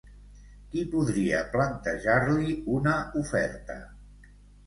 Qui podria plantejar-li una oferta?